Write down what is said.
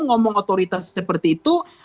ngomong otoritas seperti itu